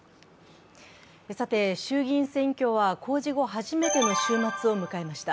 衆議院選挙は公示後初めての週末を迎えました。